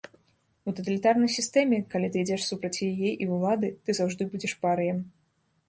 У таталітарнай сістэме, калі ты ідзеш супраць яе і ўлады, ты заўжды будзеш парыем.